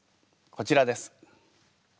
こちらです。